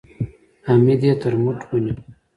حميديې تر مټ ونيو.